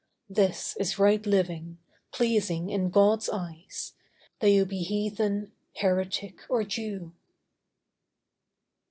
This is right living, pleasing in God's eyes, Though you be heathen, heretic or Jew.